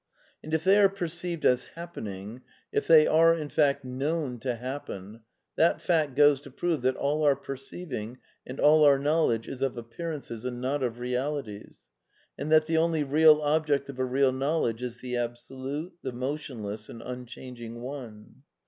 And if they are perceived as happening, if they are, in fact, known to happen, that fact goes to prove that all our perceiving and all our knowledge is of appearances and m)t of realities, and that the only real ob ject of a real knowledge is the Absolute, the motionless and unchanging One.